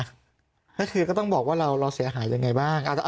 ก็คือก็ต้องบอกว่าเราเสียหายยังไงบ้าง